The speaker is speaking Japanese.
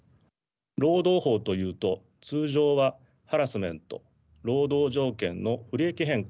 労働法というと通常はハラスメント労働条件の不利益変更